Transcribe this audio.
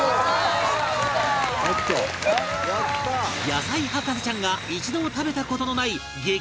野菜博士ちゃんが一度も食べた事のない激